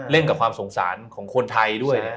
เล่นกับความสงสารของคนไทยด้วย